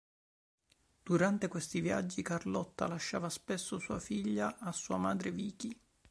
Durante questi viaggi, Carlotta lasciava spesso sua figlia a sua madre Vicky.